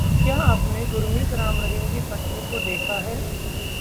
क्या आपने गुरमीत राम रहीम की पत्नी को देखा है?